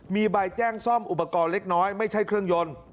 มีใบแจ้งซ่อมอุปกรณ์เล็กน้อยไม่ใช่เครื่องยนต์